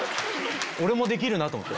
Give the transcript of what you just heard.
俺もできるなと思って。